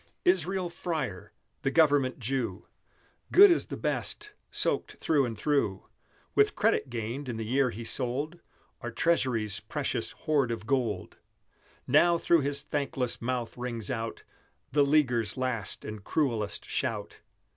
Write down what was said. Israel Freyer the Government Jew Good as the best soaked through and through With credit gained in the year he sold Our Treasury's precious hoard of gold; Now through his thankless mouth rings out The leaguers' last and cruellest shout!